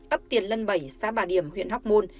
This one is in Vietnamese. ấp tiền lân bảy xã bà điểm huyện hoc mon